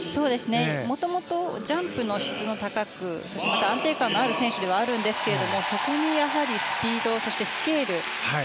もともとジャンプの質が高くそして安定感もある選手ではあるんですがそこにスピードそしてスケール。